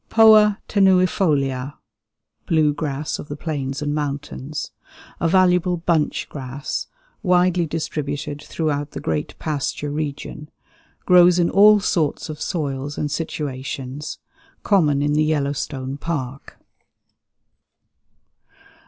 Poa tenuifolia (blue grass of the plains and mountains). A valuable "bunch grass," widely distributed throughout the great pasture region; grows in all sorts of soils and situations; common in the Yellowstone Park.